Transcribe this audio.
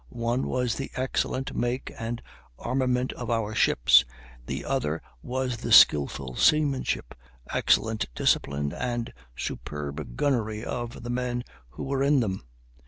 One was the excellent make and armament of our ships; the other was the skilful seamanship, excellent discipline, and superb gunnery of the men who were in them.